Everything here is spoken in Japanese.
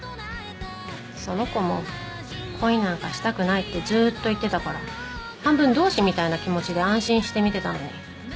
その子も恋なんかしたくないってずっと言ってたから半分同志みたいな気持ちで安心して見てたのに。